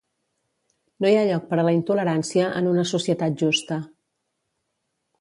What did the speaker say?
No hi ha lloc per a la intolerància en una societat justa.